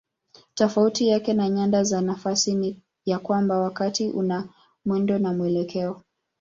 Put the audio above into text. Tofauti yake na nyanda za nafasi ni ya kwamba wakati una mwendo na mwelekeo.